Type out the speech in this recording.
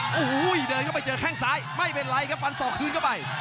โอ้โหเดินเข้าไปเจอแข้งซ้ายไม่เป็นไรครับฟันศอกคืนเข้าไป